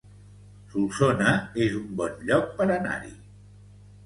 Solsona es un bon lloc per anar-hi